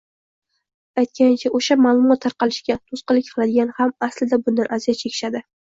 Aytgancha, o‘sha, maʼlumot tarqalishiga to‘sqinlik qiladiganlar ham aslida bundan aziyat chekishadi.